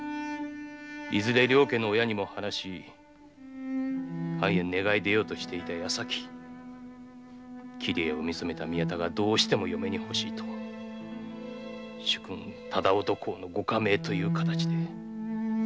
いずれ両家の親にも話し藩へ願い出ようとしていた矢先桐江を見初めた宮田が嫁にと主君の御下命という形で。